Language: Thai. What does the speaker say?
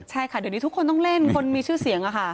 ใช่ค่ะเดี๋ยวนี้ทุกคนต้องเล่นคนมีชื่อเสียงอะค่ะ